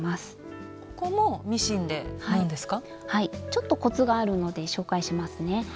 ちょっとコツがあるので紹介しますね。